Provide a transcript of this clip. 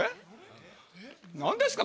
何ですか？